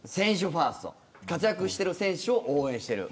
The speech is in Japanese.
ファースト活躍してる選手を応援している。